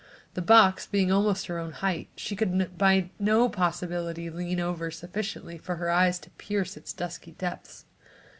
The box being almost her own height, she could by no possibility lean over sufficiently for her eyes to pierce its dusky depths.